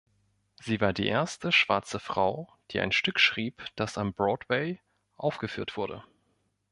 Sie war die erste schwarze Frau, die ein Stück schrieb, dass am Broadway aufgeführt wurde.